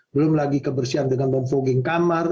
belum lagi kebersihan dengan memfogging kamar